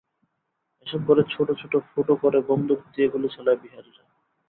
এসব ঘরে ছোট ছোট ফুটো করে বন্দুক দিয়ে গুলি চালায় বিহারিরা।